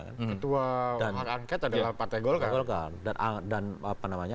ketua angket adalah partai golkar